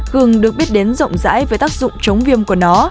cường được biết đến rộng rãi với tác dụng chống viêm của nó